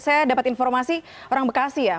saya dapat informasi orang bekasi ya